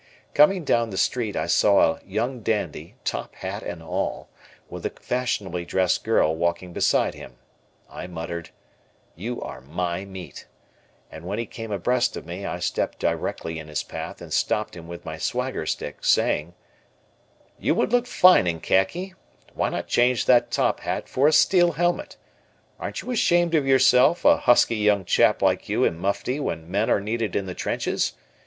Coming down the street I saw a young dandy, top hat and all, with a fashionably dressed girl walking beside him. I muttered, "You are my meat," and when he came abreast of me I stepped directly in his path and stopped him with my Swagger stick, saying: "You would look fine in khaki, why not change that top hat for a steel helmet? Aren't you ashamed of yourself, a husky young chap like you in mufti when men are needed in the trenches?